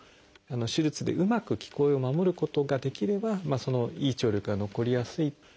手術でうまく聞こえを守ることができればいい聴力が残りやすいと。